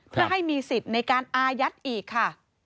เพื่อให้มีสิทธิ์ในการอายัดอีกค่ะ